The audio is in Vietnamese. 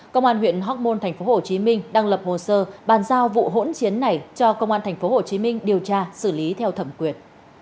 công an huyện hóc môn tp hcm đang lập hồ sơ bàn giao vụ hỗn chiến này cho công an tp hcm điều tra xử lý theo thẩm quyền